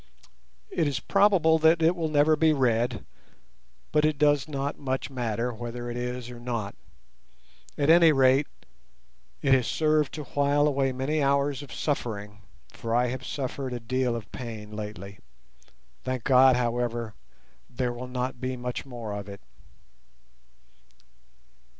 It is probable that it will never be read, but it does not much matter whether it is or not; at any rate, it has served to while away many hours of suffering, for I have suffered a deal of pain lately. Thank God, however, there will not be much more of it.